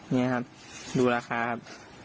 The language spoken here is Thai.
นี่ครับดูราคาครับ